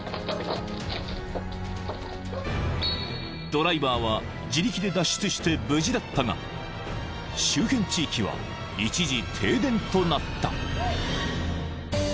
［ドライバーは自力で脱出して無事だったが周辺地域は一時停電となった］